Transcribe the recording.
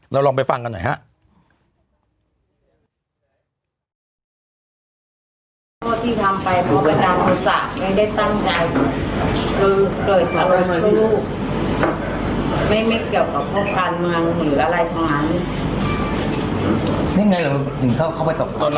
ลองไปฟังกันหน่อยฮะ